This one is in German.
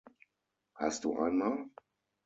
Hast du einmal.....?